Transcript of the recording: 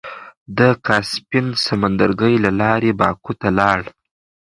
د کاسپين سمندرګي له لارې باکو ته لاړ.